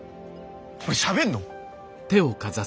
これしゃべんの？